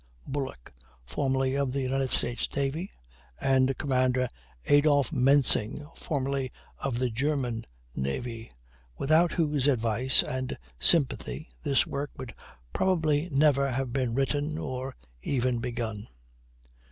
Bulloch, formerly of the United States Navy, and Commander Adolf Mensing, formerly of the German Navy, without whose advice and sympathy this work would probably never have been written or even begun.